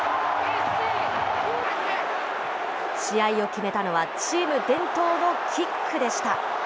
試合を決めたのは、チーム伝統のキックでした。